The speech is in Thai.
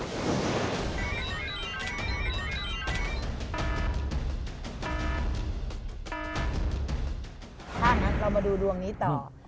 ค่ะเรามาดูดวงนี้ต่อ